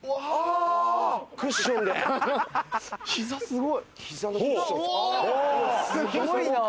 すごいな！